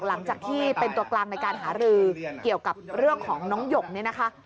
หลังจากที่เป็นตัวกลางในการหารือเกี่ยวกับเรื่องของน้องหยกเนี่ยนะคะ